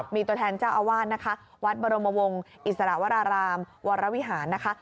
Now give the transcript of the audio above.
มีตัวแทนเจ้าอาวาสนะคะวัดบรมวงศ์อิสระวรารามวรวิหารนะคะ